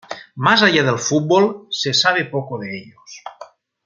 Más allá del fútbol se sabe poco de ellos.